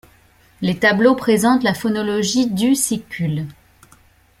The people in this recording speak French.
Les tableaux présentent la phonologie du sikule.